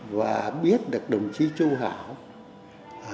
và biết được đồng chí chu hảo